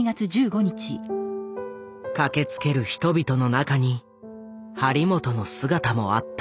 駆けつける人々の中に張本の姿もあった。